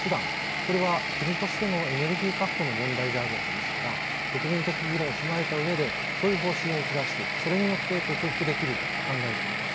これは国としてのエネルギー確保の問題であるわけですから国民的議論を踏まえた上でそういう方針を打ち出しているそれによって克服できると考えております。